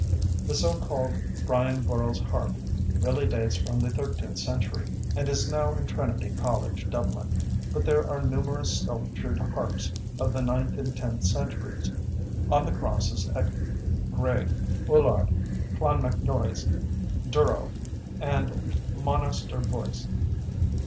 The so called "Brian Boru's Harp" really dates from the thirteenth century, and is now in Trinity College, Dublin, but there are numerous sculptured harps of the ninth and tenth centuries on the crosses at Graig, Ullard, Clonmacnois, Durrow, and Monasterboice.